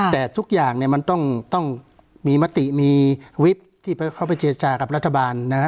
แต่ทุกอย่างเนี่ยมันต้องมีมติมีวิบที่เขาไปเจจากับรัฐบาลนะฮะ